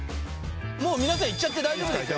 もう皆さんいっちゃって大丈夫ですよ